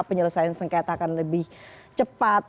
penyelesaian sengketa akan lebih cepat